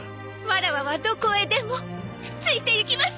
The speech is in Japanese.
わらわはどこへでもついていきます！